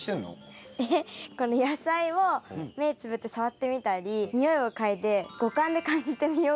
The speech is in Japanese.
この野菜を目つぶって触ってみたり匂いを嗅いで五感で感じてみようかなって思って。